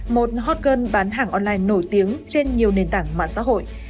một hot girl bán hàng online nổi tiếng trên nhiều nền tảng mạng xã hội